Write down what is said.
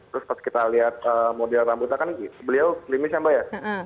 terus pas kita lihat model rambutnya kan beliau limis ya mbak ya